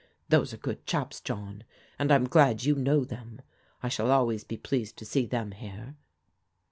Those are good chaps, John, and I'm glad you know them. I shall al ways be pleased to see them here."